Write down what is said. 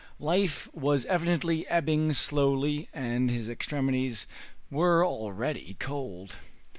Life was evidently ebbing slowly and his extremities were already cold.